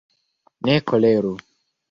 Ne koleru!